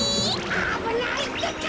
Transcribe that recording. おぶないってか。